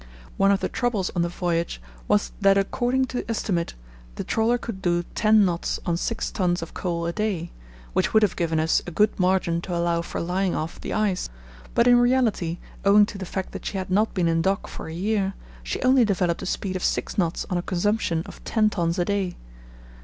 One of the troubles on the voyage was that according to estimate the trawler could do ten knots on six tons of coal a day, which would have given us a good margin to allow for lying off the ice; but in reality, owing to the fact that she had not been in dock for a year, she only developed a speed of six knots on a consumption of ten tons a day.